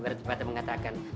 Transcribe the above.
ibarat ibadah mengatakan